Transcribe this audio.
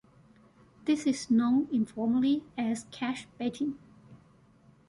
This is known informally as cash baiting.